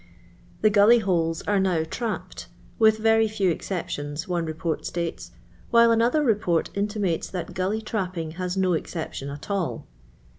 The OuUy holes are funeirapped—'whh very few exceptions, one report states, while another report intimates that gully trapping has no exception at all.